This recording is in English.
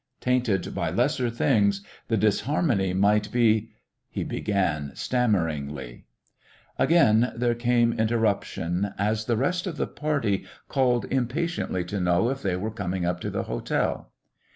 Tainted by lesser things, the disharmony might be " he began stammeringly. Again there came interruption, as the rest of the party called impatiently to know if they were coming up to the hotel.